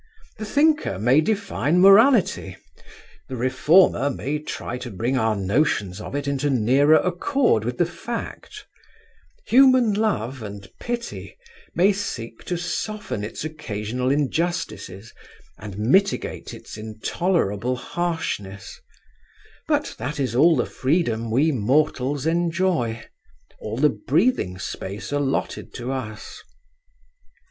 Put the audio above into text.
The thinker may define morality: the reformer may try to bring our notions of it into nearer accord with the fact: human love and pity may seek to soften its occasional injustices and mitigate its intolerable harshness: but that is all the freedom we mortals enjoy, all the breathing space allotted to us.